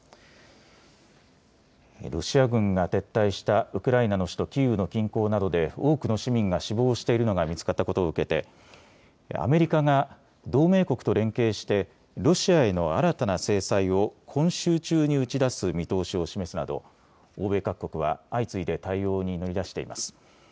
ロシア軍が撤退したウクライナの首都キーウの近郊などで多くの市民が死亡しているのが見つかったことを受けてアメリカが同盟国と連携してロシアへの新たな制裁を今週中に打ち出す見通しを示すなど欧米各国は相次いで対応に乗り出しています。